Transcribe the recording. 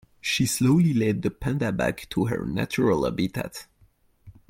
She slowly led the panda back to her natural habitat.